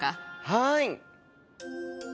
はい。